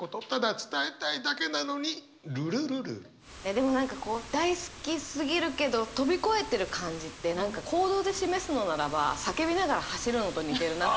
でも何かこう大好きすぎるけど飛び越えてる感じって何か行動で示すのならば叫びながら走るのと似てるなって。